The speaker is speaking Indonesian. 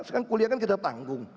sekarang kuliah kan kita tanggung